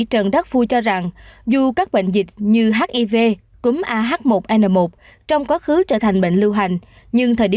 trên hệ thống quốc gia quản lý ca bệnh covid một mươi chín